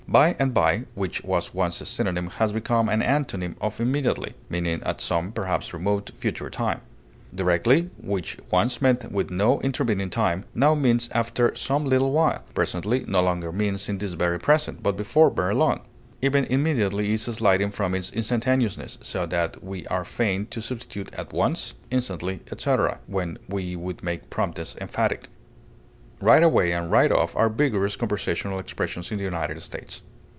By and by, which was once a synonym, has become an antonym of immediately, meaning at some (perhaps remote) future time. Directly, which once meant with no intervening time, now means after some little while; presently no longer means in this very present, but before very long. Even immediately is sliding from its instantaneousness, so that we are fain to substitute at once, instantly, etc., when we would make promptness emphatic. Right away and right off are vigorous conversational expressions in the United States.